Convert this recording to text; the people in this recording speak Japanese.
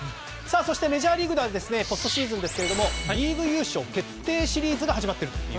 そしてメジャーリーグポストシーズンではリーグ優勝決定シリーズが始まっていると。